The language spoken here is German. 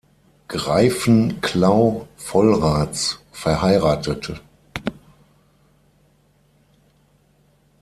Greiffenclau-Vollraths verheiratet.